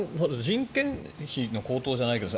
人件費の高騰じゃないけど